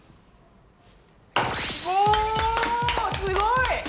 おすごい！